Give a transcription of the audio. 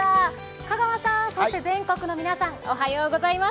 香川さん、全国の皆さんおはようございます。